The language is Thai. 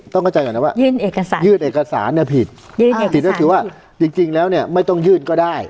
เข้าใจก่อนนะว่ายื่นเอกสารยื่นเอกสารเนี่ยผิดผิดก็คือว่าจริงแล้วเนี่ยไม่ต้องยื่นก็ได้